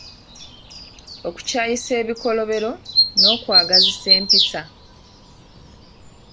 Okukyayisa ebikolobero n’okwagazisa empisa